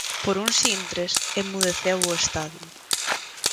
Por uns intres, enmudeceu o estadio.